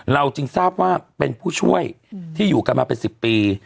เราจึงทราบว่าเป็นผู้ช่วยที่อยู่กันมาเป็น๑๐ปี